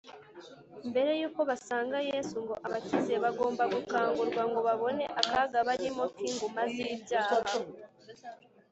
Mbere yuko basanga Yesu ngo abakize, bagomba gukangurwa ngo babone akaga barimo k’inguma z’ibyaha